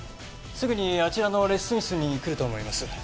すぐにあちらのレッスン室に来ると思います。